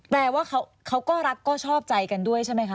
แปลว่าเขาก็รักก็ชอบใจกันด้วยใช่ไหมคะ